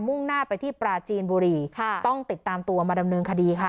่งหน้าไปที่ปราจีนบุรีค่ะต้องติดตามตัวมาดำเนินคดีค่ะ